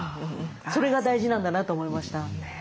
それが大事なんだなと思いました。